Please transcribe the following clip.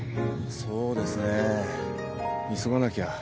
そうですね急がなきゃ。